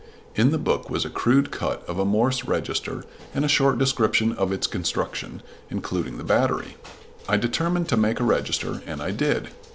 In the book was a crude cut of a Morse register and a short description of its construction, including the battery. I determined to make a register, and I did.